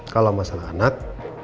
kalau masalah anak